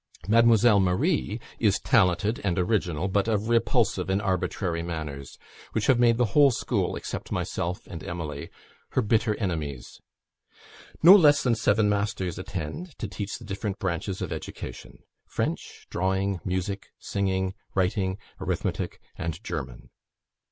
Mademoiselle Marie is talented and original, but of repulsive and arbitrary manners, which have made the whole school, except myself and Emily, her bitter enemies. No less than seven masters attend, to teach the different branches of education French, Drawing, Music, Singing, Writing, Arithmetic, and German.